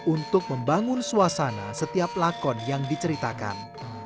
untuk membangun suasana setiap lakon yang diceritakan